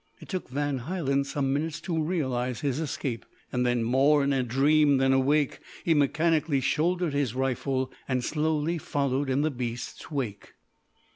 It took Van Hielen some minutes to realize his escape, and then, more in a dream than awake, he mechanically shouldered his rifle and slowly followed in the beasts' wake.